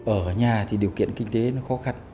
ở nhà thì điều kiện kinh tế nó khó khăn